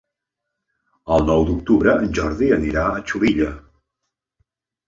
El nou d'octubre en Jordi anirà a Xulilla.